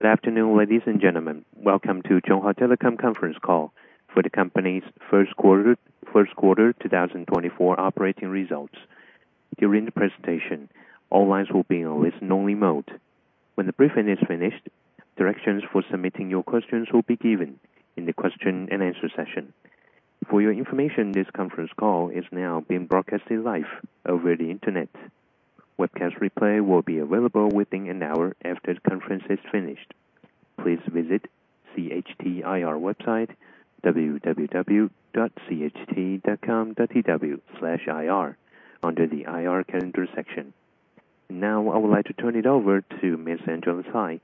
Good afternoon, ladies and gentlemen. Welcome to Chunghwa Telecom conference call for the company's first quarter 2024 operating results. During the presentation, all lines will be in a listen-only mode. When the briefing is finished, directions for submitting your questions will be given in the question and answer session. For your information, this conference call is now being broadcasted live over the internet. Webcast replay will be available within an hour after the conference is finished. Please visit CHTIR website, www.cht.com.tw/ir under the IR calendar section. Now, I would like to turn it over to Ms. Angela Tsai,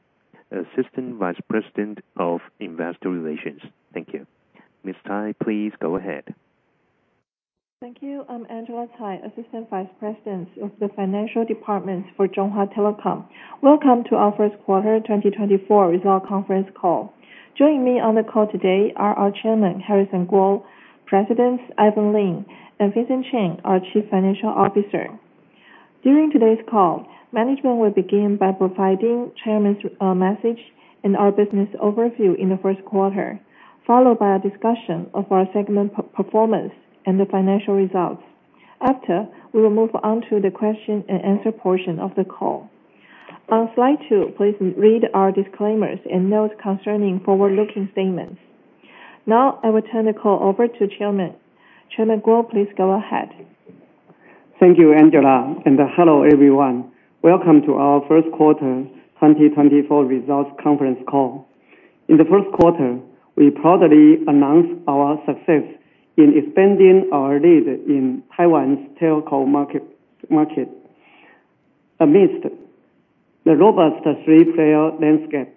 Assistant Vice President of Investor Relations. Thank you. Ms. Tsai, please go ahead. Thank you. I'm Angela Tsai, Assistant Vice President of the Financial Department for Chunghwa Telecom. Welcome to our first quarter 2024 results conference call. Joining me on the call today are our Chairman, Harrison Kuo, Presidents Ivan Lin, and Vincent Chen, our Chief Financial Officer. During today's call, management will begin by providing chairman's message and our business overview in the first quarter, followed by a discussion of our segment performance and the financial results. After, we will move on to the question and answer portion of the call. On slide two, please read our disclaimers and notes concerning forward-looking statements. Now, I will turn the call over to Chairman. Chairman Kuo, please go ahead. Thank you, Angela, and hello, everyone. Welcome to our first quarter 2024 results conference call. In the first quarter, we proudly announced our success in expanding our lead in Taiwan's telco market. Amidst the robust three-player landscape,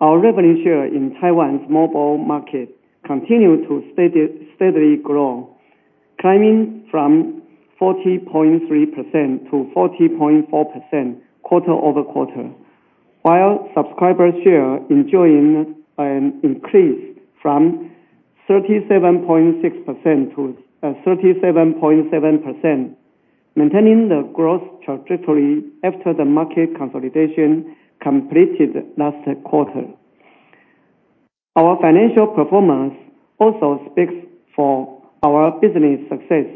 our revenue share in Taiwan's mobile market continued to steady, steadily grow, climbing from 40.3%-40.4% quarter-over-quarter, while subscriber share enjoying an increase from 37.6%-37.7%, maintaining the growth trajectory after the market consolidation completed last quarter. Our financial performance also speaks for our business success.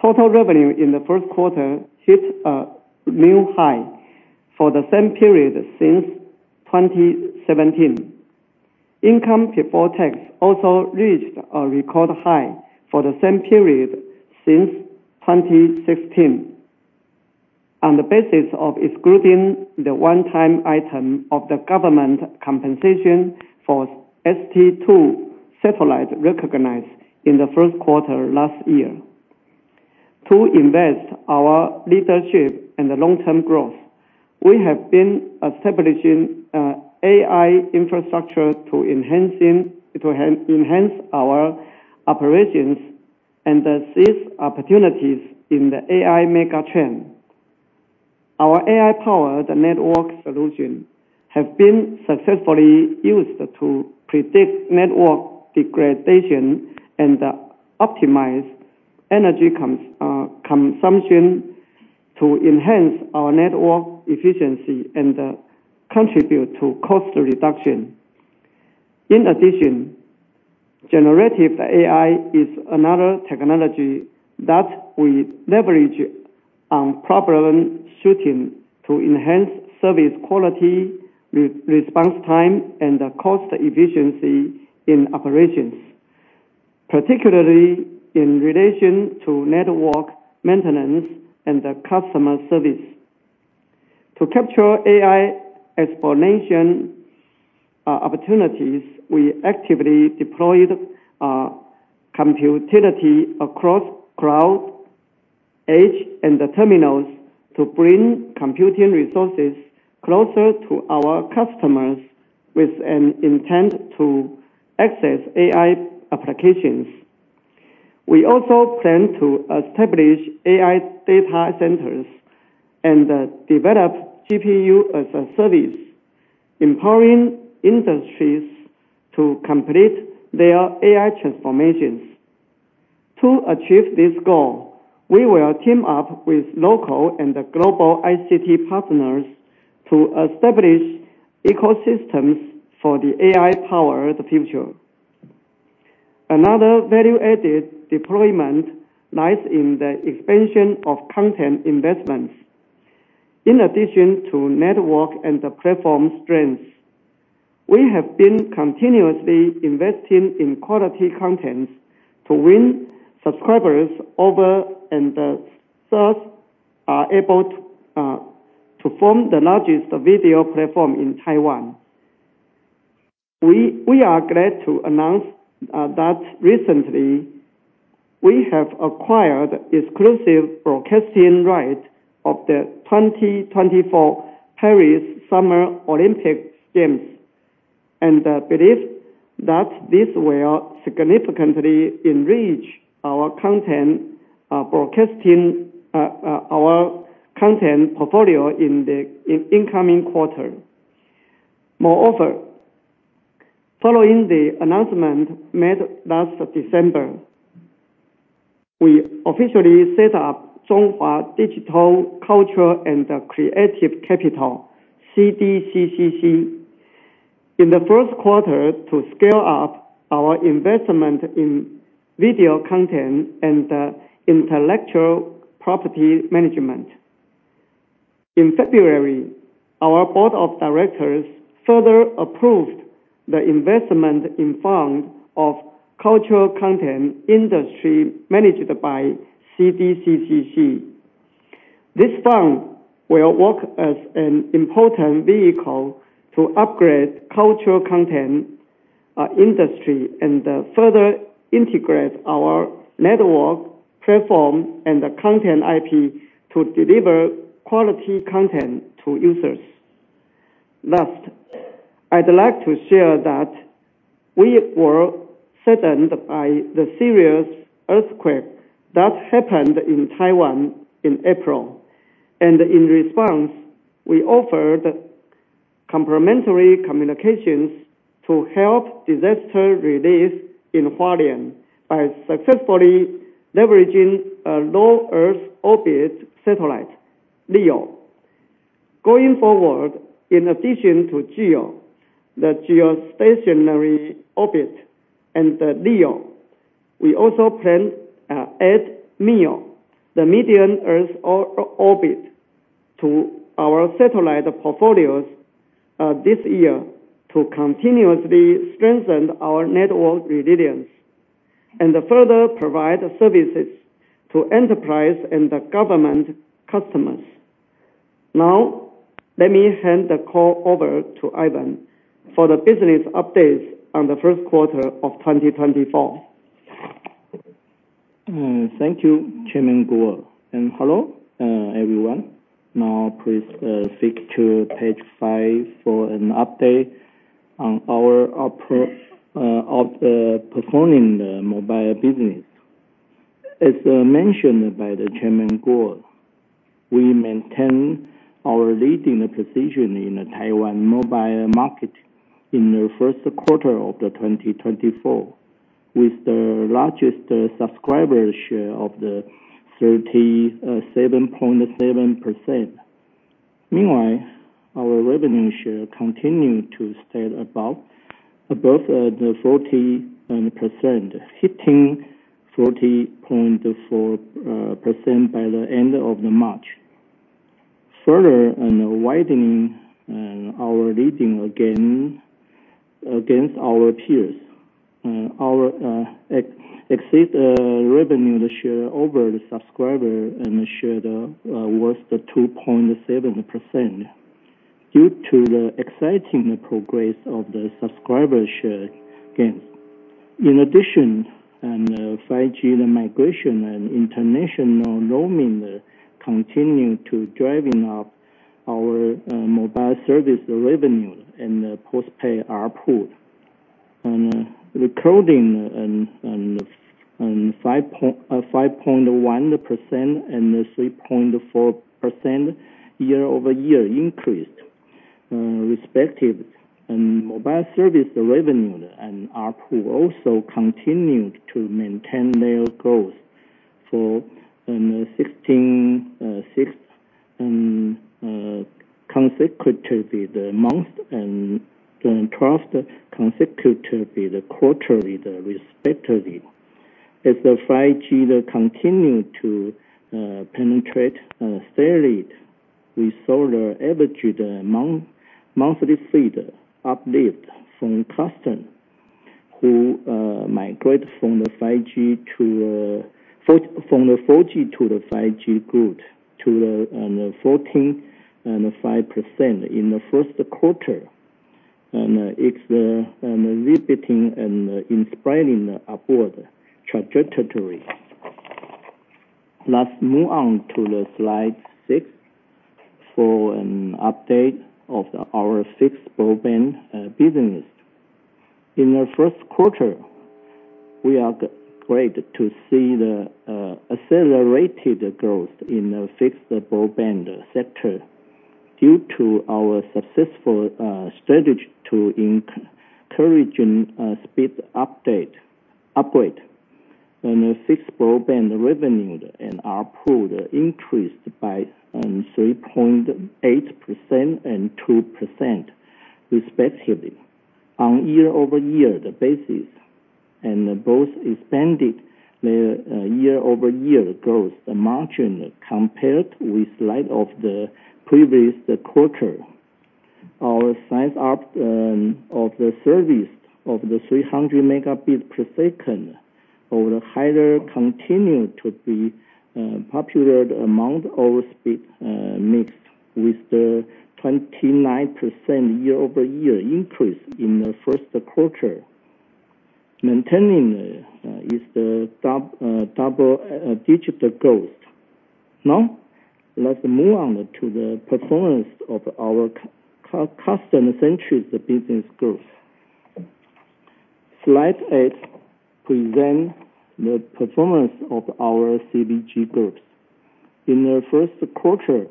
Total revenue in the first quarter hit a new high for the same period since 2017. Income before tax also reached a record high for the same period since 2016. On the basis of excluding the one-time item of the government compensation for ST-2 satellite recognized in the first quarter last year. To ensure our leadership and the long-term growth, we have been establishing AI infrastructure to enhance our operations and seize opportunities in the AI megatrend. Our AI-powered network solution have been successfully used to predict network degradation and optimize energy consumption to enhance our network efficiency and contribute to cost reduction. In addition, generative AI is another technology that we leverage on troubleshooting to enhance service quality, response time, and the cost efficiency in operations, particularly in relation to network maintenance and the customer service. To capture AI expansion opportunities, we actively deployed computing utility across cloud, edge, and the terminals to bring computing resources closer to our customers with an intent to access AI applications. We also plan to establish AI data centers and develop GPU as a service, empowering industries to complete their AI transformations. To achieve this goal, we will team up with local and the global ICT partners to establish ecosystems for the AI-powered future. Another value-added deployment lies in the expansion of content investments. In addition to network and the platform strengths, we have been continuously investing in quality content to win subscribers over, and thus are able to form the largest video platform in Taiwan. We are glad to announce that recently we have acquired exclusive broadcasting right of the 2024 Paris Summer Olympic Games, and believe that this will significantly enrich our content broadcasting our content portfolio in the incoming quarter. Moreover, following the announcement made last December-... We officially set up Chunghwa Digital Culture and Creative Capital, CDCCC, in the first quarter to scale up our investment in video content and intellectual property management. In February, our board of directors further approved the investment in fund of cultural content industry managed by CDCCC. This fund will work as an important vehicle to upgrade cultural content industry, and further integrate our network platform and the content IP to deliver quality content to users. Last, I'd like to share that we were saddened by the serious earthquake that happened in Taiwan in April, and in response, we offered complimentary communications to help disaster relief in Hualien by successfully leveraging a low-Earth orbit satellite, LEO. Going forward, in addition to GEO, the geostationary orbit and the LEO, we also plan add MEO, the medium Earth orbit, to our satellite portfolios, this year, to continuously strengthen our network resilience, and further provide services to enterprise and the government customers. Now, let me hand the call over to Ivan for the business updates on the first quarter of 2024. Thank you, Chairman Kuo, and hello, everyone. Now, please flip to page five for an update on the performance of the mobile business. As mentioned by Chairman Kuo, we maintain our leading position in the Taiwan mobile market in the first quarter of 2024, with the largest subscribers share of 37.7%. Meanwhile, our revenue share continued to stay above the 40%, hitting 40.4% by the end of March. Further widening our lead against our peers, our excess revenue share over the subscriber share was 2.7% due to the exciting progress of the subscriber share gains. In addition, 5G migration and international roaming continue to drive up our mobile service revenue and the postpaid ARPU, recording 5.1% and 3.4% year-over-year increase, respective. Mobile service revenue and ARPU also continued to maintain their growth for 16 consecutive months and 12 consecutive quarters, respectively. As 5G continues to penetrate steadily, we saw the average monthly fee uplift from customers who migrate from 4G to 5G amount to 14% and 5% in the first quarter, and it's a repeating and inspiring upward trajectory. Let's move on to slide six for an update on our fixed broadband business. In the first quarter, we are great to see the accelerated growth in the fixed broadband sector due to our successful strategy to encourage speed upgrades. The fixed broadband revenue and ARPU increased by 3.8% and 2% respectively on a year-over-year basis, and both expanded the year-over-year growth margin compared with the slide of the previous quarter. Our sign-up of the service of the 300 Mbps or higher continued to be popular among our speed mix, with the 29% year-over-year increase in the first quarter, maintaining the double-digit growth. Now, let's move on to the performance of our customer-centric business growth. Slide eight presents the performance of our CBG groups. In the first quarter,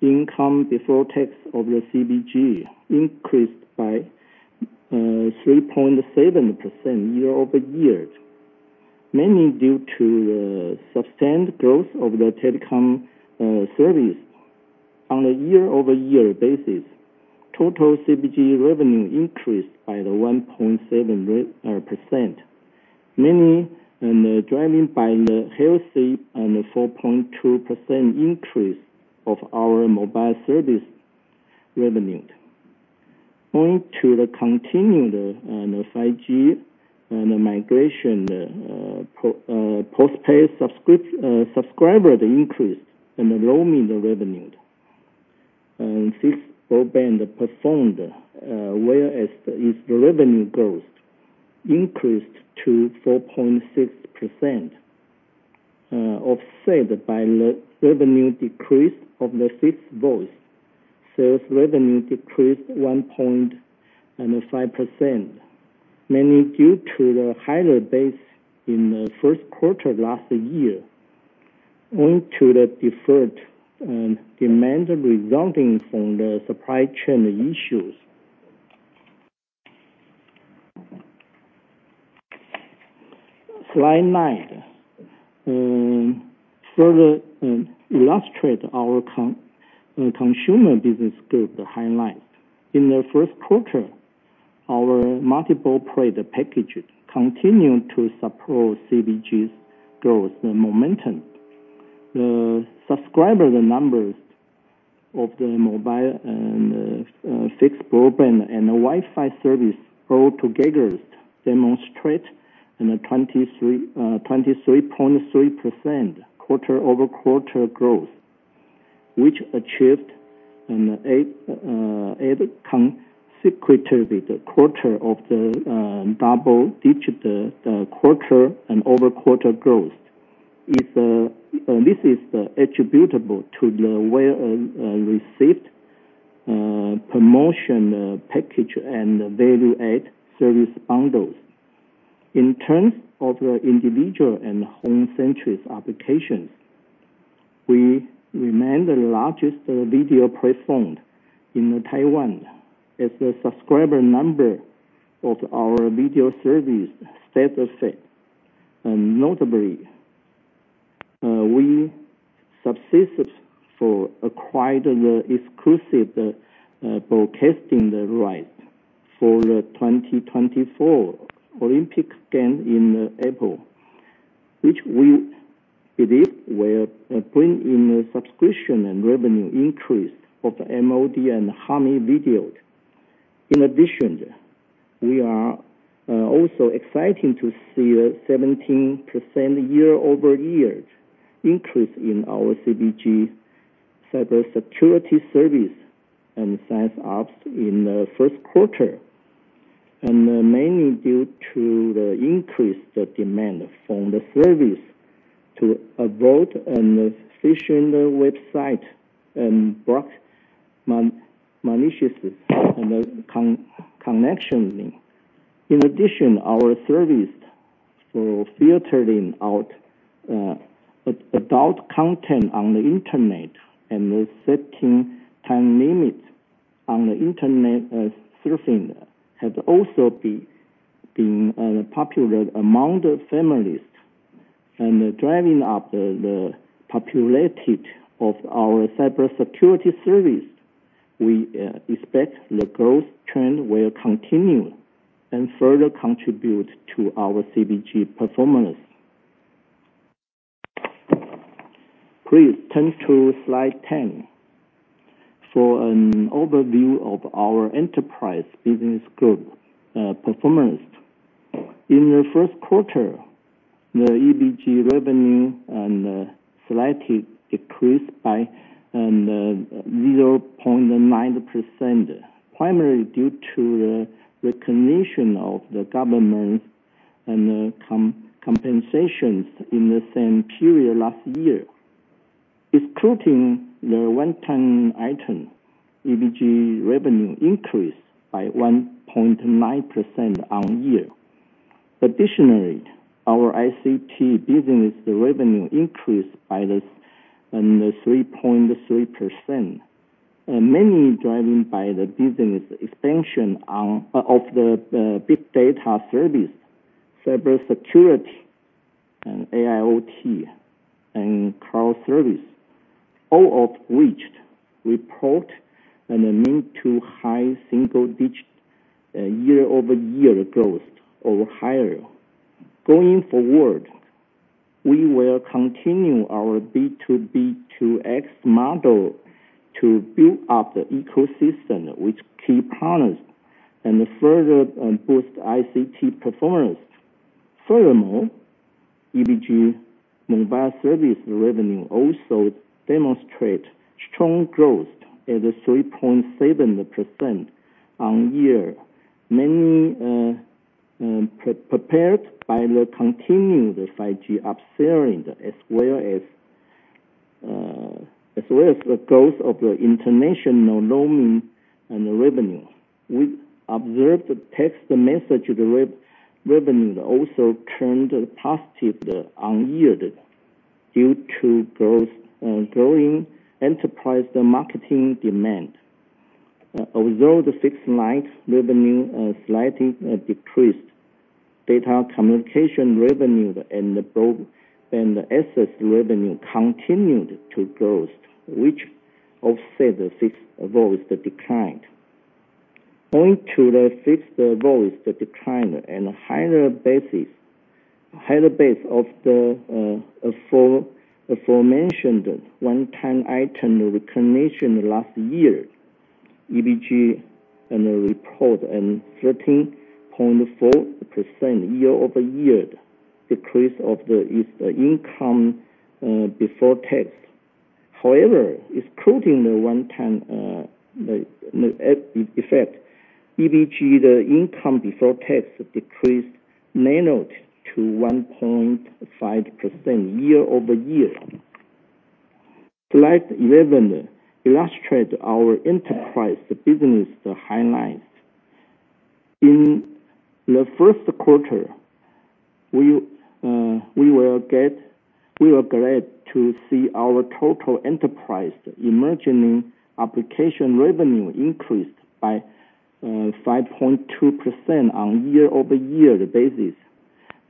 income before tax of the CBG increased by 3.7% year-over-year, mainly due to substantial growth of the telecom service. On a year-over-year basis, total CBG revenue increased by 1.7%, mainly driven by a healthy 4.2% increase of our mobile service revenue. Due to the continued 5G and the migration, postpaid subscriber increase and the roaming revenue. Fixed broadband performed well as its revenue growth increased to 4.6%, offset by the revenue decrease of the fixed voice. Sales revenue decreased 1.5%, mainly due to the higher base in the first quarter of last year, owing to the deferred demand resulting from the supply chain issues. Slide nine further illustrates our consumer business group highlights. In the first quarter, our multiple product packages continued to support CBG's growth and momentum. The subscriber numbers of the mobile and fixed broadband and the Wi-Fi service altogether demonstrate 23.3% quarter-over-quarter growth, which achieved eight consecutive quarters of double-digit quarter-over-quarter growth. This is attributable to the well-received promotion package and value-add service bundles. In terms of the individual and home entertainment applications, we remain the largest video platform in Taiwan, as the subscriber number of our video service stays the same. Notably, we successfully acquired the exclusive broadcasting right for the 2024 Olympic Games in April, which we believe will bring in a subscription and revenue increase of the MOD and Hami Video. In addition, we are also excited to see a 17% year-over-year increase in our key cybersecurity service and SaaS apps in the first quarter. Mainly due to the increased demand for the service to avoid any phishing website and block malicious, you know, connection link. In addition, our service for filtering out adult content on the internet and the setting time limits on the internet surfing has also been popular among the families and driving up the popularity of our cybersecurity service. We expect the growth trend will continue and further contribute to our CBG performance. Please turn to slide 10 for an overview of our enterprise business group performance. In the first quarter, the EBG revenue slightly decreased by 0.9%, primarily due to the recognition of the government and the compensations in the same period last year. Excluding the one-time item, EBG revenue increased by 1.9% on year. Additionally, our ICT business revenue increased by 3.3%, mainly driving by the business expansion of the big data service, cybersecurity, and AIoT and cloud service, all of which report a mid- to high-single-digit year-over-year growth or higher. Going forward, we will continue our B2B2X model to build up the ecosystem with key partners and further boost ICT performance. Furthermore, EBG mobile service revenue also demonstrate strong growth at 3.7% year-on-year, mainly prepared by the continuing the 5G upselling, as well as as well as the growth of the international roaming and the revenue. We observed the text message revenue also turned positive year-on-year due to growing enterprise the marketing demand. Although the fixed-line revenue slightly decreased, data communication revenue and the broadband and access revenue continued to grow, which offset the fixed voice decline. Due to the fixed voice decline and higher base of the aforementioned one-time item recognition last year, EBG reported a 13.4% year-over-year decrease of the income before tax. However, excluding the one-time effect, EBG's income before tax decreased 9.2 to 1.5% year-over-year. Slide 11 illustrates our enterprise business highlights. In the first quarter, we were glad to see our total enterprise emerging application revenue increased by 5.2% on a year-over-year basis.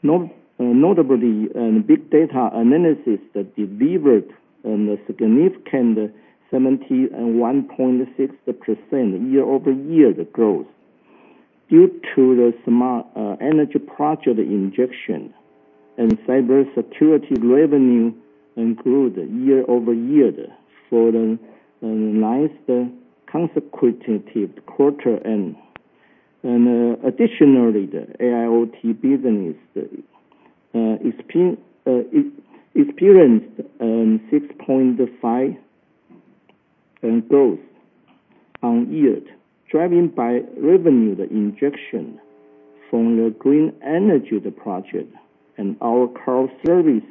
Notably, big data analysis delivered a significant 71.6% year-over-year growth due to the smart energy project injection and cybersecurity revenue improved year-over-year for the ninth consecutive quarter. Additionally, the AIoT business experienced 6.5% growth year-over-year, driven by revenue the injection from the green energy project, and our cloud service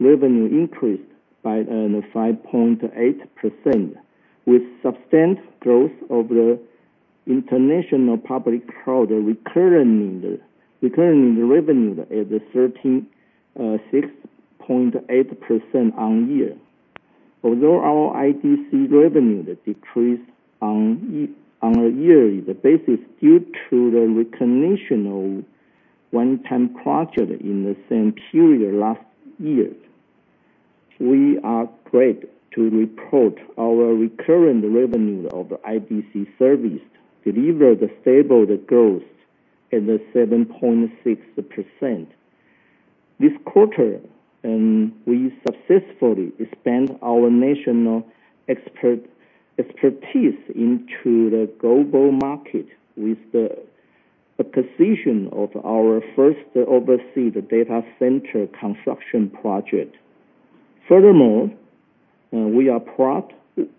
revenue increased by 5.8%, with substantial growth of the international public cloud recurring revenue at 13.68% year-over-year. Although our IDC revenue decreased on a yearly basis due to the recognition of one-time project in the same period last year, we are glad to report our recurring revenue of IDC service delivered stable growth at 7.6%. This quarter, we successfully expand our national expertise into the global market with the acquisition of our first overseas data center construction project. Furthermore, we are proud to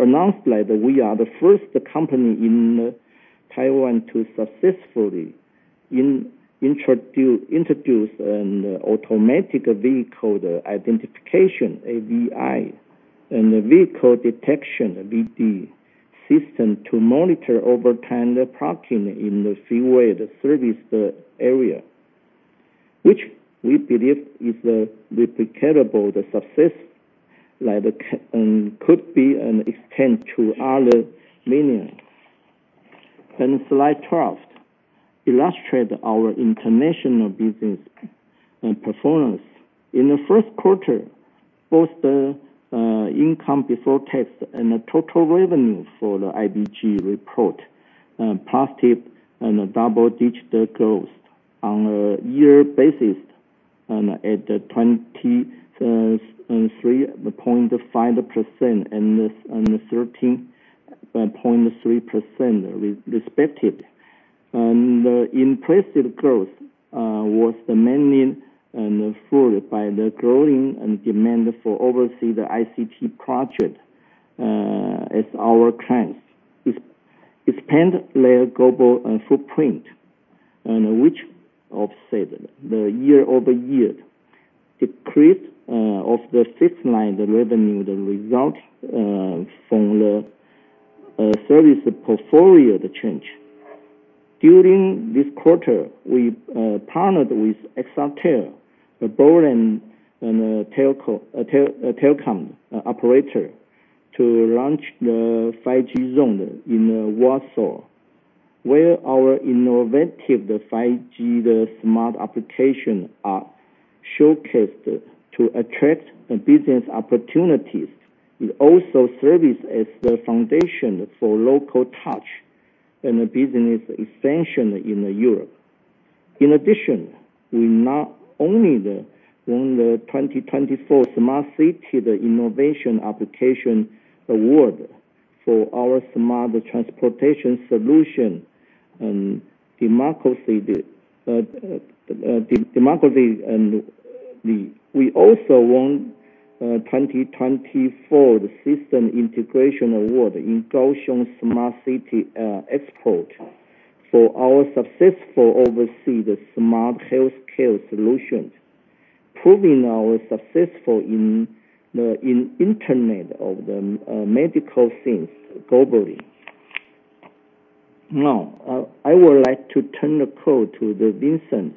announce that we are the first company in Taiwan to successfully introduce an automatic vehicle identification, AVI, and vehicle detection, VD, system to monitor overtime parking in the freeway, the service area, which we believe is a replicable success that could be extend to other millions. Slide 12 illustrates our international business performance. In the first quarter, both the income before tax and the total revenue for the IBG report positive and a double-digit growth on a year basis, and at 23.5% and 13.3% respective. The impressive growth was mainly fueled by the growing demand for overseas ICT projects as our clients expand their global footprint, and which offset the year-over-year decrease of the fixed-line revenue, the result from the service portfolio change. During this quarter, we partnered with EXATEL, a Polish telecom operator, to launch the 5G zone in Warsaw, where our innovative 5G smart application are showcased to attract business opportunities. It also serves as the foundation for local touch and business expansion in Europe. In addition, we not only won the 2024 Smart City Innovation Application Award for our smart transportation solution and [domestically], and we also won the 2024 System Integration Award in Kaohsiung Smart City Expo.... for our successful overseas smart healthcare solutions, proving our success in the Internet of Medical Things globally. Now, I would like to turn the call to Vincent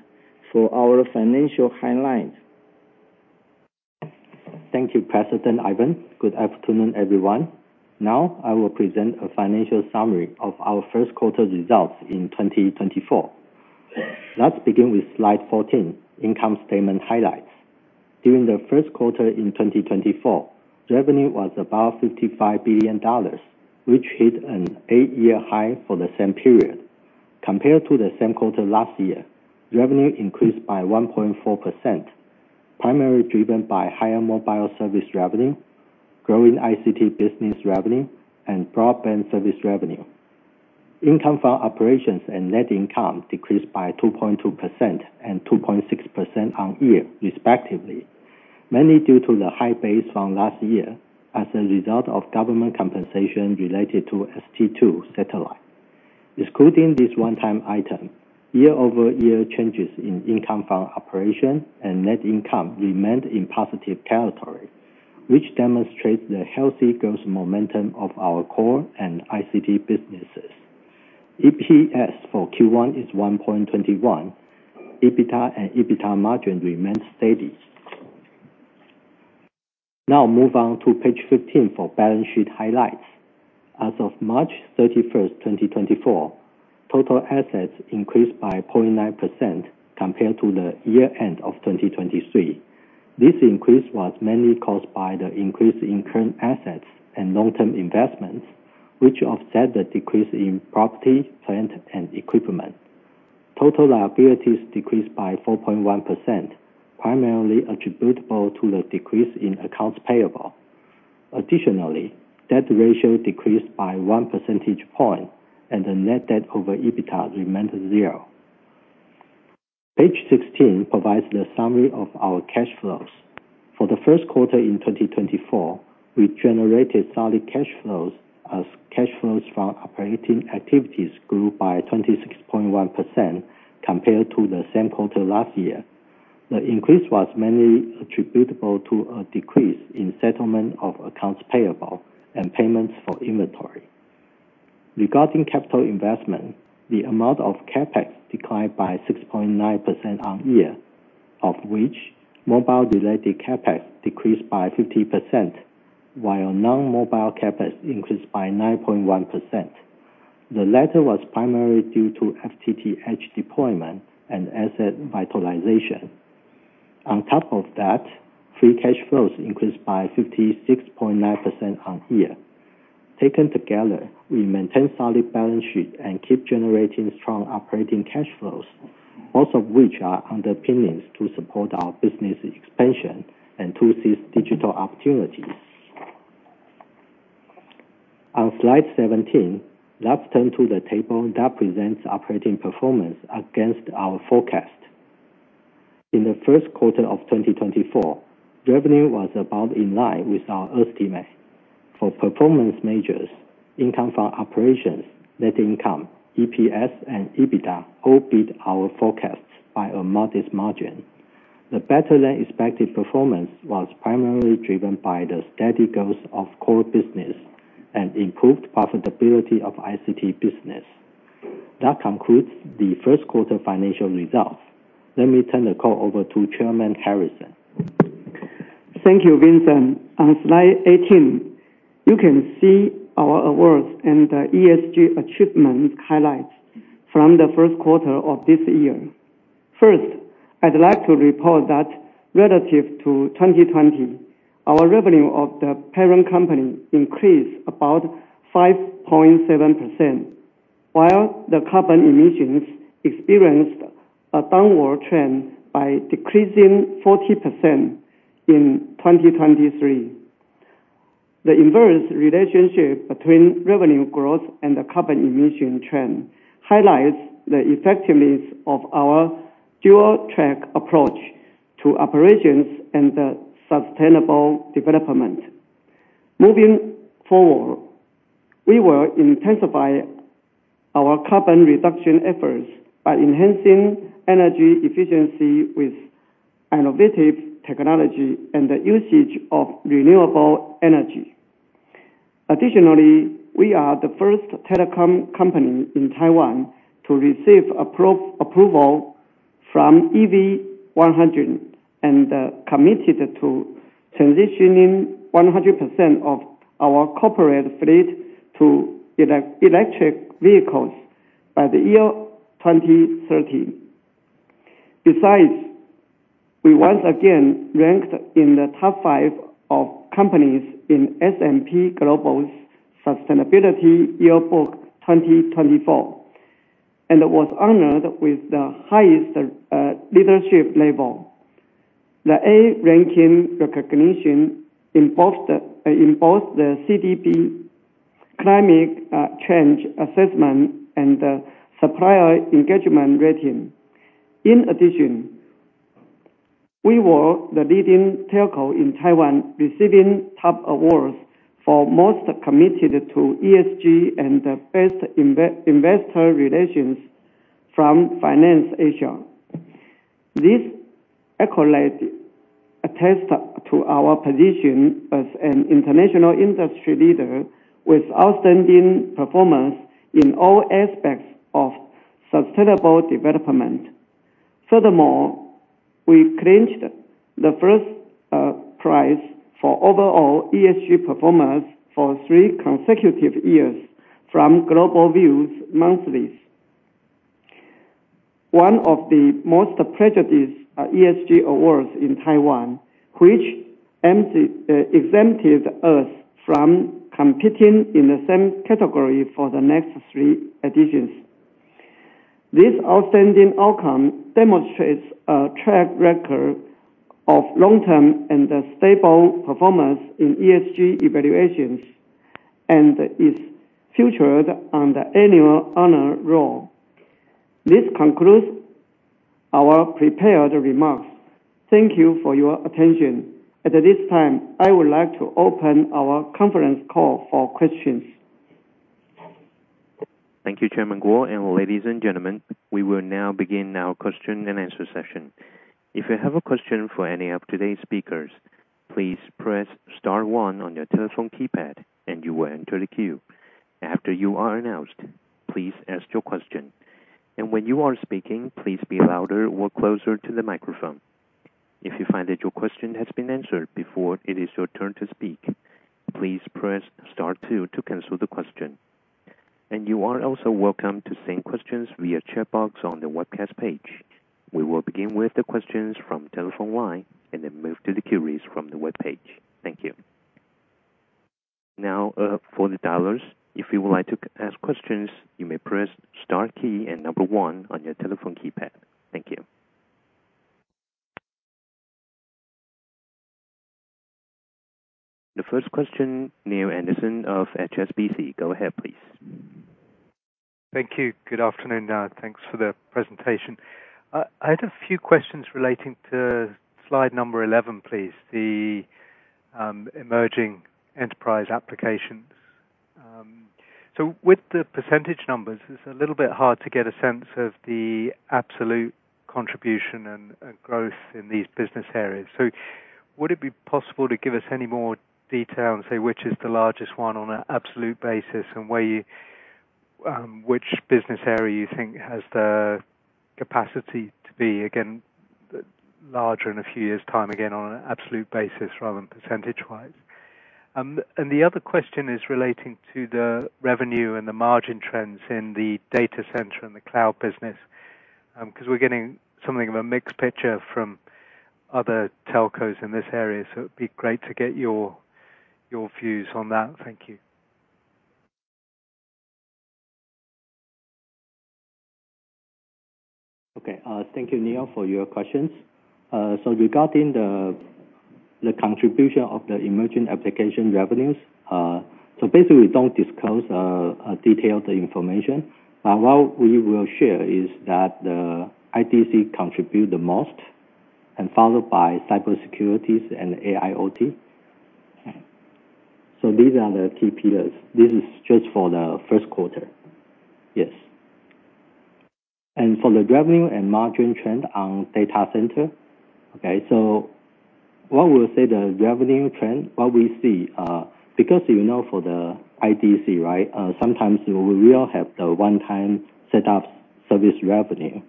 for our financial highlights. Thank you, President Ivan. Good afternoon, everyone. Now, I will present a financial summary of our first quarter results in 2024. Let's begin with slide 14, income statement highlights. During the first quarter in 2024, revenue was about 55 billion dollars, which hit an eight-year high for the same period. Compared to the same quarter last year, revenue increased by 1.4%, primarily driven by higher mobile service revenue, growing ICT business revenue, and broadband service revenue. Income from operations and net income decreased by 2.2% and 2.6% year-over-year, respectively, mainly due to the high base from last year as a result of government compensation related to ST-2 satellite. Excluding this one-time item, year-over-year changes in income from operations and net income remained in positive territory, which demonstrates the healthy growth momentum of our core and ICT businesses. EPS for Q1 is 1.21. EBITDA and EBITDA margin remained steady. Now move on to page 15 for balance sheet highlights. As of March 31st, 2024, total assets increased by 0.9% compared to the year-end of 2023. This increase was mainly caused by the increase in current assets and long-term investments, which offset the decrease in property, plant, and equipment. Total liabilities decreased by 4.1%, primarily attributable to the decrease in accounts payable. Additionally, debt ratio decreased by 1 percentage point, and the net debt over EBITDA remained zero. Page 16 provides the summary of our cash flows. For the first quarter in 2024, we generated solid cash flows as cash flows from operating activities grew by 26.1% compared to the same quarter last year. The increase was mainly attributable to a decrease in settlement of accounts payable and payments for inventory. Regarding capital investment, the amount of CapEx declined by 6.9% year-on-year, of which mobile-related CapEx decreased by 50%, while non-mobile CapEx increased by 9.1%. The latter was primarily due to FTTH deployment and asset vitalization. On top of that, free cash flows increased by 56.9% year-on-year. Taken together, we maintain solid balance sheet and keep generating strong operating cash flows, both of which are underpinnings to support our business expansion and to seize digital opportunities. On slide 17, let's turn to the table that presents operating performance against our forecast. In the first quarter of 2024, revenue was about in line with our estimate. For performance measures, income from operations, net income, EPS, and EBITDA all beat our forecasts by a modest margin. The better-than-expected performance was primarily driven by the steady growth of core business and improved profitability of ICT business. That concludes the first quarter financial results. Let me turn the call over to Chairman Harrison. Thank you, Vincent. On slide 18, you can see our awards and ESG achievement highlights from the first quarter of this year. First, I'd like to report that relative to 2020, our revenue of the parent company increased about 5.7%, while the carbon emissions experienced a downward trend by decreasing 40% in 2023. The inverse relationship between revenue growth and the carbon emission trend highlights the effectiveness of our dual-track approach to operations and sustainable development. Moving forward, we will intensify our carbon reduction efforts by enhancing energy efficiency with innovative technology and the usage of renewable energy. Additionally, we are the first telecom company in Taiwan to receive approval from EV100, and committed to transitioning 100% of our corporate fleet to electric vehicles by the year 2030. Besides, we once again ranked in the top five of companies in S&P Global's Sustainability Yearbook 2024, and was honored with the highest leadership level. The A ranking recognition in both the CDP climate change assessment and the supplier engagement rating. In addition- ... We were the leading telco in Taiwan, receiving top awards for most committed to ESG and the Best Investor Relations from FinanceAsia. This accolade attests to our position as an international industry leader with outstanding performance in all aspects of sustainable development. Furthermore, we clinched the first prize for overall ESG performance for three consecutive years from Global Views Monthly. One of the most prestigious ESG awards in Taiwan, which exempted us from competing in the same category for the next three editions. This outstanding outcome demonstrates a track record of long-term and a stable performance in ESG evaluations, and is featured on the annual honor roll. This concludes our prepared remarks. Thank you for your attention. At this time, I would like to open our conference call for questions. Thank you, Chairman Kuo. Ladies and gentlemen, we will now begin our question and answer session. If you have a question for any of today's speakers, please press star one on your telephone keypad, and you will enter the queue. After you are announced, please ask your question, and when you are speaking, please speak louder or closer to the microphone. If you find that your question has been answered before it is your turn to speak, please press star two to cancel the question. You are also welcome to send questions via chat box on the webcast page. We will begin with the questions from telephone line and then move to the queries from the webpage. Thank you. Now, for the dialers, if you would like to ask questions, you may press star key and number one on your telephone keypad. Thank you. The first question, Neale Anderson of HSBC. Go ahead, please. Thank you. Good afternoon, thanks for the presentation. I had a few questions relating to slide number 11, please, the emerging enterprise applications. So with the percentage numbers, it's a little bit hard to get a sense of the absolute contribution and growth in these business areas. So would it be possible to give us any more detail and say which is the largest one on an absolute basis, and which business area you think has the capacity to be, again, larger in a few years time, again, on an absolute basis rather than percentage wise? And the other question is relating to the revenue and the margin trends in the data center and the cloud business, 'cause we're getting something of a mixed picture from other telcos in this area, so it'd be great to get your views on that. Thank you. Okay. Thank you, Neale, for your questions. So regarding the contribution of the emerging application revenues, so basically, we don't disclose a detailed information. But what we will share is that the ICT contribute the most, and followed by cybersecurity and AIoT. So these are the key pillars. This is just for the first quarter. Yes. And for the revenue and margin trend on data center, okay, so what we'll say the revenue trend, what we see, because, you know, for the ICT, right, sometimes we will have the one-time setup service revenue.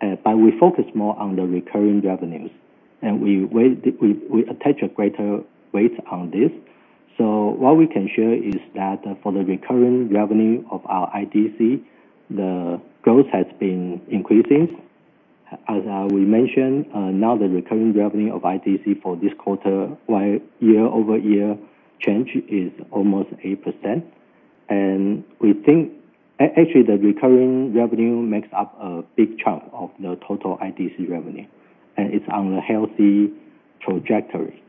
But we focus more on the recurring revenues, and we attach a greater weight on this. So what we can share is that for the recurring revenue of our ICT, the growth has been increasing. As we mentioned, now the recurring revenue of ICT for this quarter, while year-over-year change is almost 8%, and we think... Actually, the recurring revenue makes up a big chunk of the total ICT revenue, and it's on a healthy trajectory.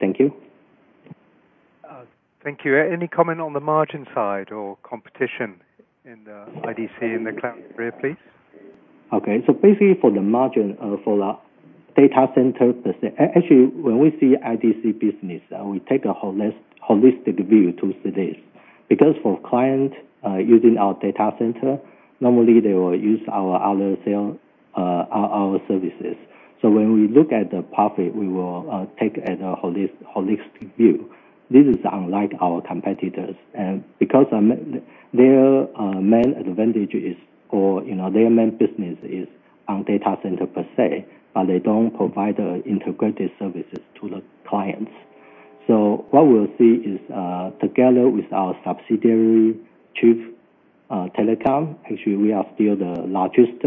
Thank you. Thank you. Any comment on the margin side or competition in the ICT, in the cloud area, please? Okay. So basically, for the margin, for the data center, per se. Actually, when we see ICT business, we take a holistic view to see this, because for client, using our data center, normally they will use our other sale, our services. So when we look at the profit, we will take a holistic view. This is unlike our competitors, and because, their main advantage is, or, you know, their main business is on data center per se, but they don't provide integrated services to the clients. So what we'll see is, together with our subsidiary, Chief Telecom, actually, we are still the largest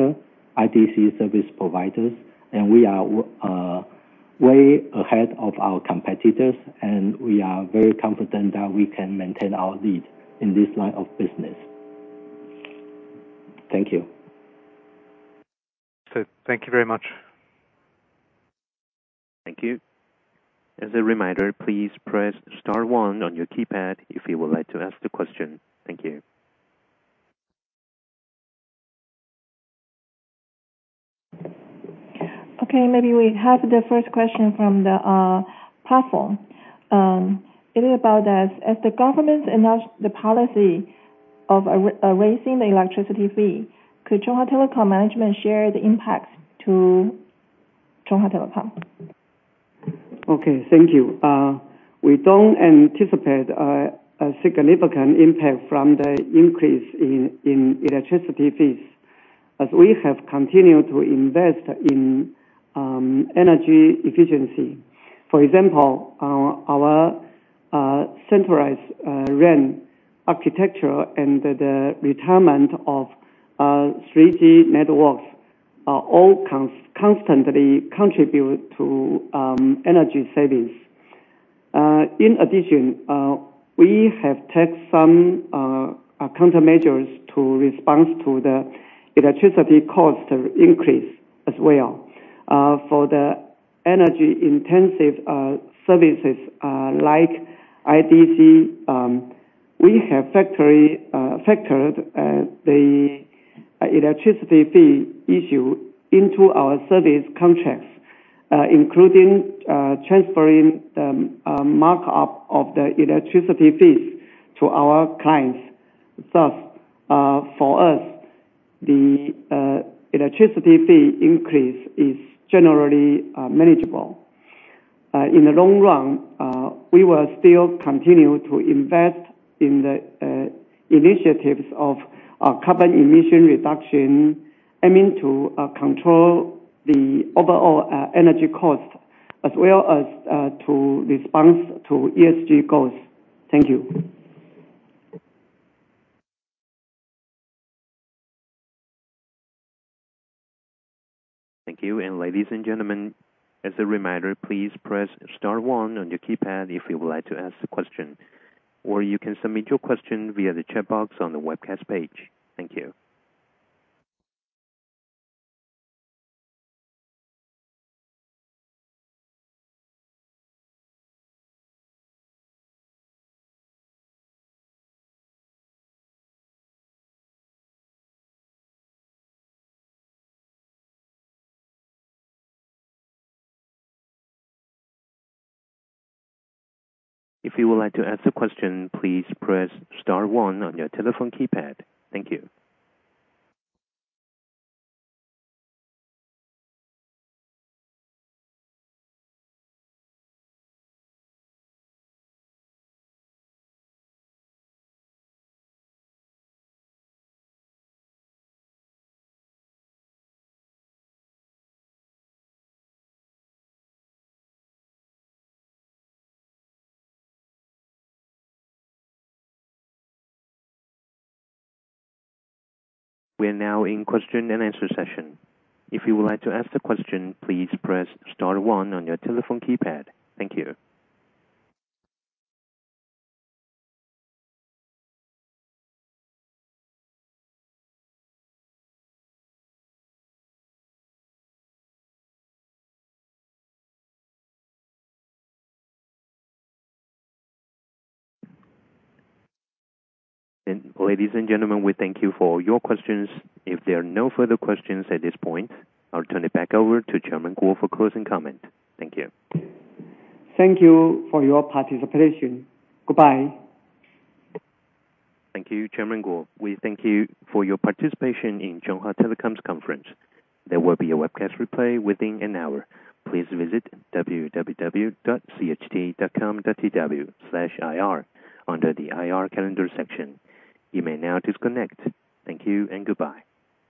ICT service providers, and we are way ahead of our competitors, and we are very confident that we can maintain our lead in this line of business. Thank you. Thank you very much.... Thank you. As a reminder, please press star one on your keypad if you would like to ask the question. Thank you. Okay, maybe we have the first question from the platform. It is about as the government announce the policy of raising the electricity fee, could Chunghwa Telecom management share the impacts to Chunghwa Telecom? Okay. Thank you. We don't anticipate a significant impact from the increase in electricity fees, as we have continued to invest in energy efficiency. For example, our centralized RAN architecture and the retirement of 3G networks all constantly contribute to energy savings. In addition, we have take some countermeasures to respond to the electricity cost increase as well. For the energy-intensive services like IDC, we have factored the electricity fee issue into our service contracts, including transferring the markup of the electricity fees to our clients. Thus, for us, the electricity fee increase is generally manageable. In the long run, we will still continue to invest in the initiatives of carbon emission reduction, aiming to control the overall energy cost as well as to respond to ESG goals. Thank you. Thank you. Ladies and gentlemen, as a reminder, please press star one on your keypad if you would like to ask the question, or you can submit your question via the chat box on the webcast page. Thank you. If you would like to ask a question, please press star one on your telephone keypad. Thank you. We are now in question and answer session. If you would like to ask the question, please press star one on your telephone keypad. Thank you. Ladies and gentlemen, we thank you for your questions. If there are no further questions at this point, I'll turn it back over to Chairman Kuo for closing comment. Thank you. Thank you for your participation. Goodbye. Thank you, Chairman Kuo. We thank you for your participation in Chunghwa Telecom's conference. There will be a webcast replay within an hour. Please visit www.cht.com.tw/ir under the IR calendar section. You may now disconnect. Thank you and goodbye.